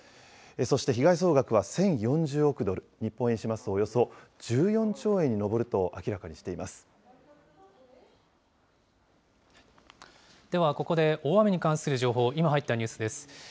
そして被害総額は１０４０億ドル、日本円にしますと、およそ１４兆では、ここで大雨に関する情報、今入ったニュースです。